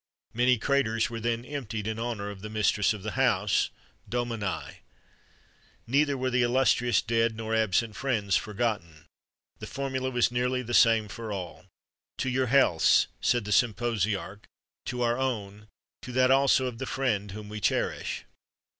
[XXXV 79] Many craters were then emptied in honour of the mistress of the house (dominæ); neither were the illustrious dead nor absent friends forgotten. The formula was nearly the same for all: "To your healths," said the symposiarch, "to our own, to that also of the friend whom we cherish."